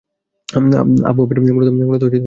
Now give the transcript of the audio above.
আবু আমের মূলত মদীনার বাসিন্দা।